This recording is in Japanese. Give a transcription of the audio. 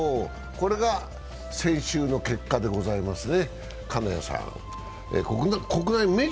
これが先週の結果でございますね。